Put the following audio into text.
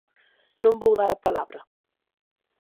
Non vou dar a palabra.